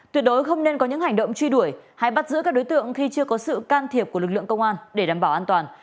tuyệt đối không nên có những hành động truy đuổi hay bắt giữ các đối tượng khi chưa có sự can thiệp của lực lượng công an để đảm bảo an toàn